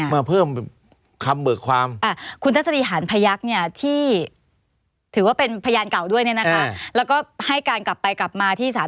มาเพิ่มคำเบิกความ